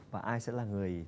và ai sẽ là người